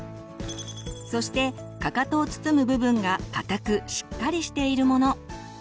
そしてかかとを包む部分が硬くしっかりしているもの。